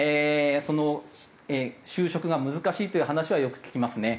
その就職が難しいという話はよく聞きますね。